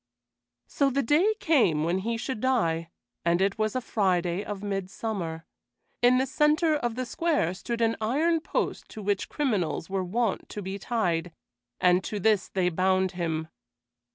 So the day came when he should die, and it was a Friday of midsummer. In the centre of the square stood an iron post to which criminals were wont to be tied, and to this they bound him.